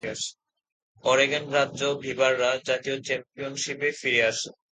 Oregon রাজ্য বীভাররা জাতীয় চ্যাম্পিয়নশিপে ফিরে আসে।